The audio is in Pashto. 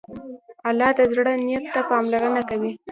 الله د زړه نیت ته پاملرنه کوي.